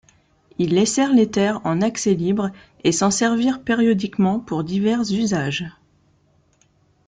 Ils laissèrent les terres en accès libre et s’en servirent périodiquement pour divers usages.